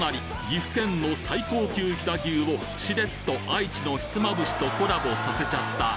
岐阜県の最高級飛騨牛をしれっと愛知のひつまぶしとコラボさせちゃった